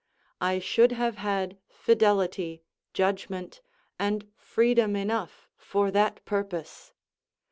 I should have had fidelity, judgment, and freedom enough for that purpose.